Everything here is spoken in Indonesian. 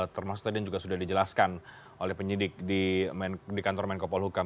termasuk tadi yang juga sudah dijelaskan oleh penyidik di kantor menko polhukam